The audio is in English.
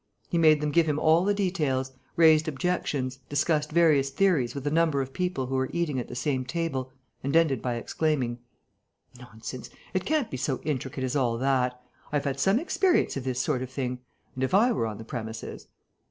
He made them give him all the details, raised objections, discussed various theories with a number of people who were eating at the same table and ended by exclaiming: "Nonsense! It can't be so intricate as all that. I have had some experience of this sort of thing. And, if I were on the premises...."